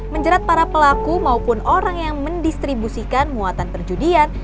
menjerat para pelaku maupun orang yang mendistribusikan muatan perjudian